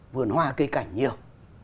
vườn hoa cây cảnh nhiều